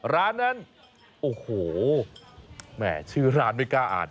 ร้านนั้นโอ้โหแหม่ชื่อร้านไม่กล้าอ่าน